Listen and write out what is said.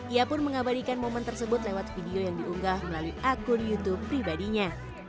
ia pun mengabadikan momen tersebut lewat video yang diunggah melalui akun youtube pribadinya